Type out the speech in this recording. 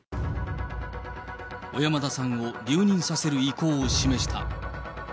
小山田さんを留任させる意向を示した。